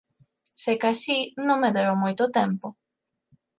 Secasí, non me deron moito tempo.